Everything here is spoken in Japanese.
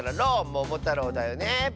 「ももたろう」だよね。